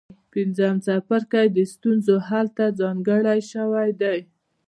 پنځم څپرکی د ستونزو حل ته ځانګړی شوی دی.